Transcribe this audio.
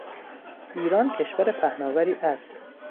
ایران کشور پهناوری است.